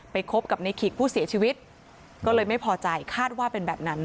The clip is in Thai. คบกับในขีกผู้เสียชีวิตก็เลยไม่พอใจคาดว่าเป็นแบบนั้น